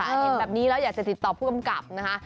เห็นแบบนี้แล้วอยากจะติดต่อผู้กำกับนะคะ